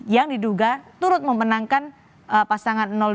yang diduga turut memenangkan pasangan dua